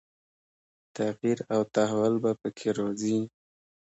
تغییر او تحول به په کې راځي.